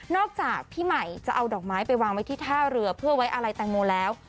จากพี่ใหม่จะเอาดอกไม้ไปวางไว้ที่ท่าเรือเพื่อไว้อะไรแตงโมแล้ว